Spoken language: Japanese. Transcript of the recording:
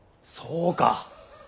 そうか。